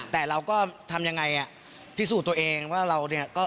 แต่เราก็ทำยังไงอ่ะพิสูจน์ตัวเองว่าเราเนี่ยก็